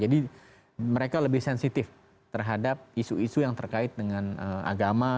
jadi mereka lebih sensitif terhadap isu isu yang terkait dengan agama